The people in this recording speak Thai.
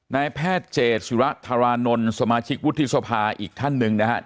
นายแพทย์เจสุระธารานนท์สมาชิกวุฒิสภาอีกท่านหนึ่งนะครับ